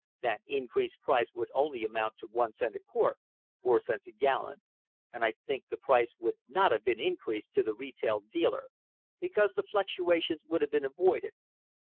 That increased price would only amount to one cent a quart (four cents a gallon), and I think the price would not have been increased to the retail dealer because the fluctuations would have been avoided.